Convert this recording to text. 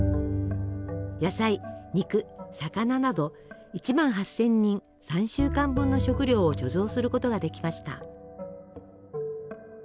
野菜肉魚など１万８，０００人３週間分の食料を貯蔵することができました。